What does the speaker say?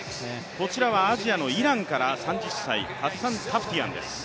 こちらはアジアのイランから３０歳、ハッサン・タフティアンです。